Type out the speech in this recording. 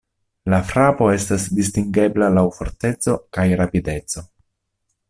La frapo estas distingebla laŭ forteco kaj rapideco.